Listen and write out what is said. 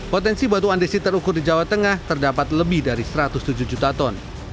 potensi batu andesi terukur di jawa tengah terdapat lebih dari satu ratus tujuh juta ton